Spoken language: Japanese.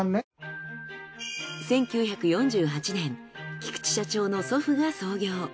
１９４８年菊池社長の祖父が創業。